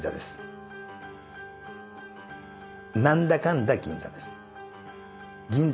「何だかんだ銀座」